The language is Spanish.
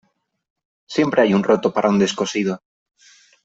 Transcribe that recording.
Siempre hay un roto para un descosido.